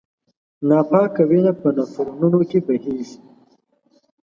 ناپاکه وینه په نفرونونو کې بهېږي.